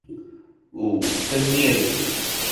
u tengil